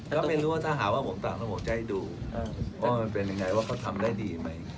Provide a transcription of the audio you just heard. ก็ไม่รู้ว่าถ้าหาว่าผมสั่งแล้วผมจะให้ดูว่ามันเป็นยังไงว่าเขาทำได้ดีไหม